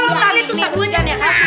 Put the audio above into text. tolong kalian tersadukan ya kak suman